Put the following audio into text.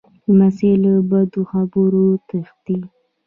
لمسی له بدو خبرو تښتي.